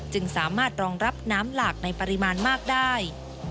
จึงสามารถรองรับน้ำหลากในปริมาณมากได้